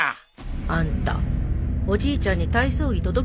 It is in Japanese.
あんたおじいちゃんに体操着届けてもらったの？